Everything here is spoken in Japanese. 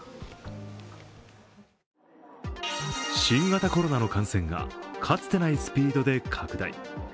新型コロナの感染がかつてないスピードで拡大。